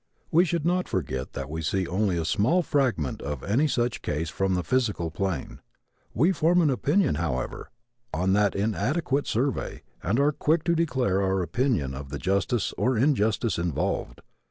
We should not forget that we see only a small fragment of any such case from the physical plane. We form an opinion, however, on that inadequate survey and are quick to declare our opinion of the justice or injustice involved.